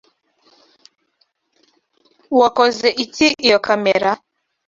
Wakoze iki iyo kamera?